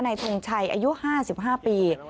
ทงชัยอายุ๕๕ปี